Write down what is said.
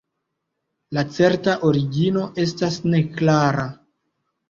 La certa origino estas neklara.